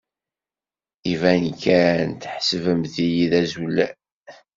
Iban kan tḥesbemt-iyi d azulal.